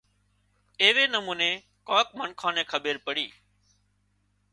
ايوي نموني ڪانڪ منکان نين کٻير پڙي